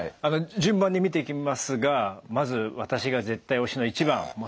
順番に見ていきますがまず私が絶対推しの１番とにかく安静だと。